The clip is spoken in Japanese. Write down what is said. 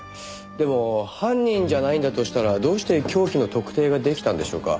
でも犯人じゃないんだとしたらどうして凶器の特定が出来たんでしょうか？